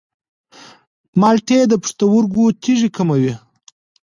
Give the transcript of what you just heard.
مالټې د پښتورګو تیږې کموي.